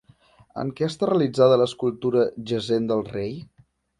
En què està realitzada l'escultura jacent del rei?